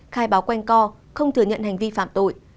khai báo quanh co không thừa nhận hành vi phạm tội